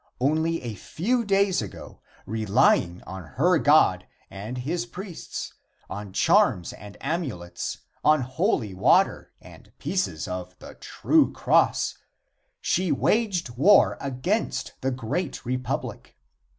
Only a few days ago, relying on her God and his priests, on charms and amulets, on holy water and pieces of the true cross, she waged war against the great Republic.